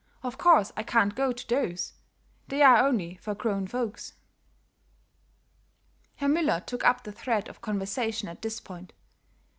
Of course I can't go to those; they are only for grown folks." Herr Müller took up the thread of conversation at this point.